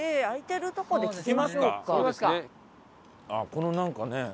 あっこのなんかね。